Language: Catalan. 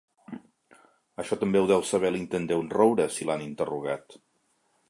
Això també ho deu saber l'intendent Roure, si l'han interrogat.